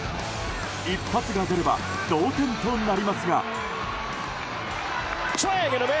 一発が出れば同点となりますが。